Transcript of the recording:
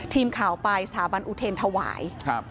ทีมข่าวไปสถาบันอุเทรนธวายครับ